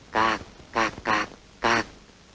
cạc cạc cạc